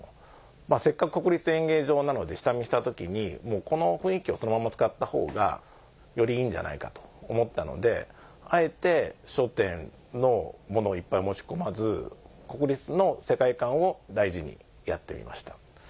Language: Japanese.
せっかく国立演芸場なので下見した時にもうこの雰囲気をそのまま使った方がよりいいんじゃないかと思ったのであえて『笑点』の物をいっぱい持ち込まず国立の世界観を大事にやってみました。